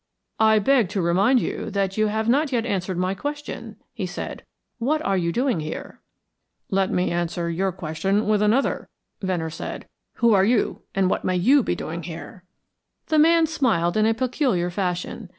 "I beg to remind you that you have not yet answered my question," he said. "What are you doing here?" "Let me answer your question with another," Venner said. "Who are you, and what may you be doing here?" The man smiled in a peculiar fashion.